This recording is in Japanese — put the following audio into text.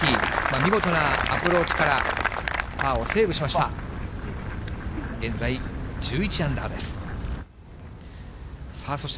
見事なアプローチから、パーをセーブしました。